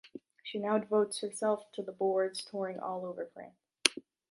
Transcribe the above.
She now devotes her self to the boards, touring all over France.